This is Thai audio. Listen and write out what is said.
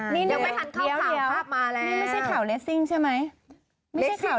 นี่ไม่ใช่ข่าวเลสซิ่งใช่ไหม